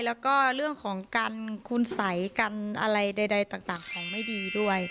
แล้วก็เรื่องของการคุณสัยกันอะไรใดต่างของไม่ดีด้วย